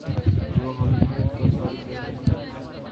جو ہم پہ گزری سو گزری مگر شب ہجراں